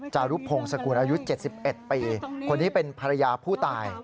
จารุพงศกุลอายุ๗๑ปีคนนี้เป็นภรรยาผู้ตาย